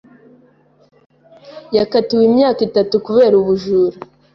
Yakatiwe imyaka itatu kubera ubujura.